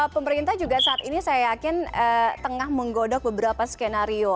pemerintah juga saat ini saya yakin tengah menggodok beberapa skenario